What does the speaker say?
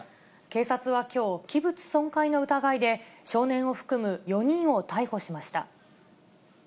警察はきょう、器物損壊の疑いで、少年を含む４人を逮捕しました。